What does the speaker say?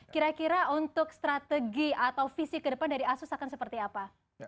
kira kira untuk strategi atau visi ke depan dari asus akan seperti apa